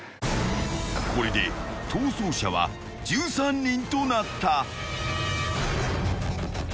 ［これで逃走者は１３人となった］